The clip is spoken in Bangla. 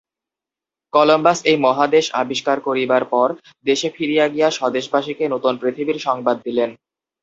কলম্বাস এই মহাদেশ আবিষ্কার করিবার পর দেশে ফিরিয়া গিয়া স্বদেশবাসীকে নূতন পৃথিবীর সংবাদ দিলেন।